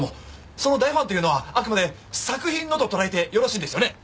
その大ファンというのはあくまで作品のと捉えてよろしいんですよね？